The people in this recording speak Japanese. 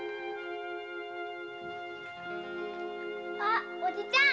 あおじちゃん